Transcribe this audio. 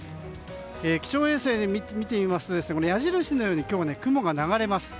気象衛星で見てみますと矢印のように今日は雲が流れます。